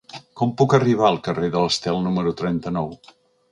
Com puc arribar al carrer de l'Estel número trenta-nou?